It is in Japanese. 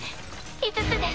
５つです。